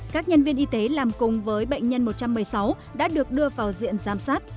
các nhân viên y tế làm cùng với bệnh nhân một trăm một mươi sáu đã được đưa vào diện giám sát